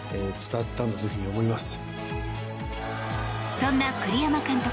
そんな栗山監督